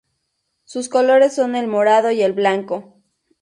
Sus colores son el morado y el blanco.